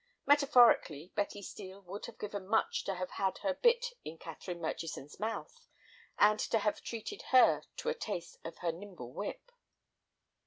Metaphorically, Betty Steel would have given much to have had her bit in Catherine Murchison's mouth, and to have treated her to a taste of her nimble whip.